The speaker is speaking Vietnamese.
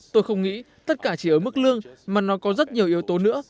tôi không nghĩ tất cả chỉ ở mức lương mà nó có rất nhiều yếu tố nữa